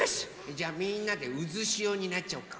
じゃあみんなでうずしおになっちゃおうか。